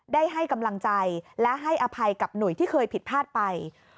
ได้ให้กำลังใจและให้อภัยกับหนุ่ยที่เคยผิดพลาดไป